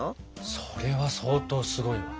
それは相当すごいわ。